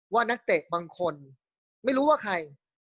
นักเตะบางคนไม่รู้ว่าใคร